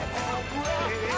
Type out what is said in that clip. えっ！